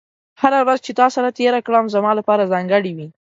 هره ورځ چې تا سره تېره کړم، زما لپاره ځانګړې وي.